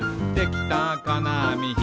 「できたかなあみ